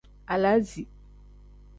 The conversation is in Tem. Alaazi.